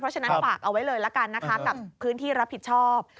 ฉะนั้นฝากเอาไว้เลยละกันนะคะกับพื้นที่รับผิดชอบ